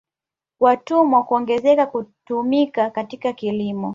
Watumwa kuongezeka kutumika katika kilimo